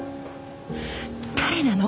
誰なの？